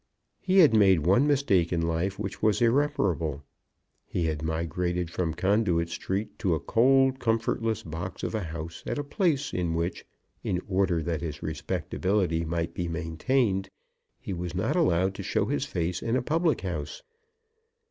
He had made one mistake in life which was irreparable. He had migrated from Conduit Street to a cold, comfortless box of a house at a place in which, in order that his respectability might be maintained, he was not allowed to show his face in a public house.